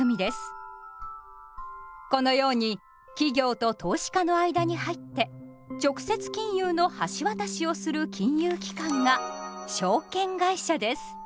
このように企業と投資家の間に入って直接金融の橋渡しをする金融機関が「証券会社」です。